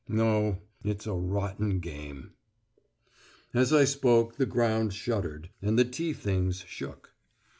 No, it's a rotten game." As I spoke, the ground shuddered, and the tea things shook.